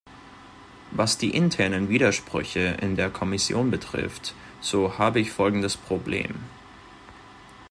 Was die internen Widersprüche in der Kommission betrifft, so habe ich folgendes Problem.